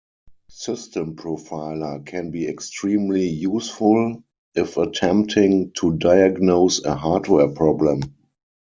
System Profiler can be extremely useful if attempting to diagnose a hardware problem.